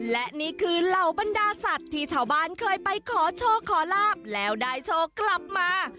และนี่คือเหล่าบรรดาสัตว์ที่ชาวบ้านเคยไปขอโชคขอลาบแล้วได้โชคกลับมา